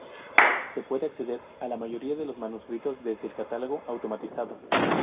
Se puede acceder a la mayoría de los manuscritos desde el catálogo automatizado.